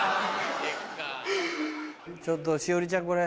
ちょっと栞里ちゃん